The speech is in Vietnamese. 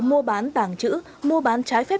mua bán tàng trữ mua bán trái phép